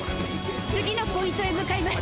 次のポイントへ向かいます。